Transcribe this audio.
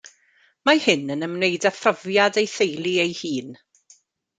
Mae hyn yn ymwneud â phrofiad ei theulu ei hun.